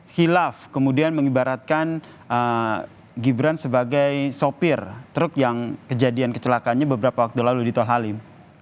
hilaf kemudian mengibaratkan gibran sebagai sopir truk yang kejadian kecelakaannya beberapa waktu lalu di tol halim